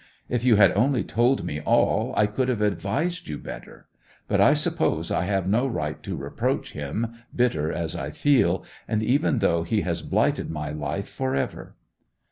If you had only told me all, I could have advised you better! But I suppose I have no right to reproach him, bitter as I feel, and even though he has blighted my life for ever!